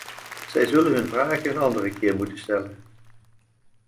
Zij zullen hun vragen een andere keer moeten stellen.